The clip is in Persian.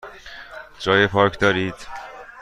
جای پارک دارید؟